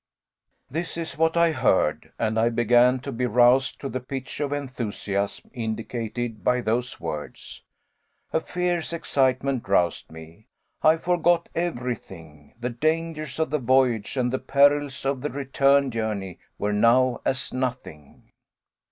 This is what I heard, and I began to be roused to the pitch of enthusiasm indicated by those words. A fierce excitement roused me. I forgot everything. The dangers of the voyage and the perils of the return journey were now as nothing!